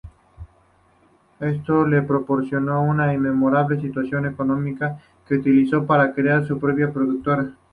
Esto le proporcionó una inmejorable situación económica que utilizó para crear su propia productora.